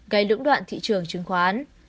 gây lưỡng đoạn thị trường chứng khoán